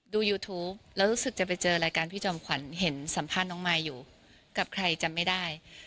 ยูทูปแล้วรู้สึกจะไปเจอรายการพี่จอมขวัญเห็นสัมภาษณ์น้องมายอยู่กับใครจำไม่ได้